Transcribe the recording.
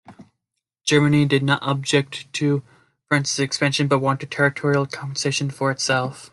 Germany did not object to France's expansion, but wanted territorial compensation for itself.